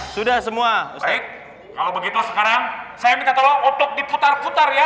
sudah semua ustadz kalau begitu sekarang saya minta tolong oplok diputar putar ya